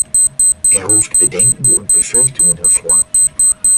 Er ruft Bedenken und Befürchtungen hervor.